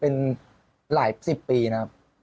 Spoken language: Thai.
เป็นหลายสิบปีนะครับ